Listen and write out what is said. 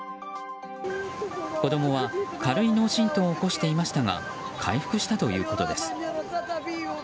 子供は、軽い脳しんとうを起こしていましたが回復したということです。